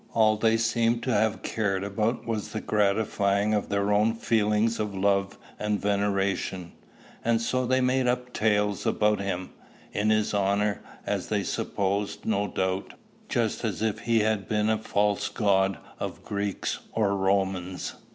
All they seemed to have cared about was the gratifying of their own feelings of love and veneration; and so they made up tales about him, in his honor as they supposed, no doubt, just as if he had been a false god of the Greeks or Romans.